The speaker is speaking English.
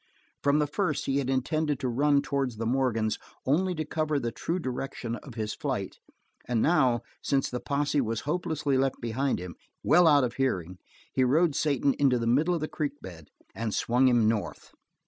From the first he had intended to run towards the Morgans only to cover the true direction of his flight, and now, since the posse was hopelessly left behind him, well out of hearing, he rode Satan into the middle of the creek bed and swung him north.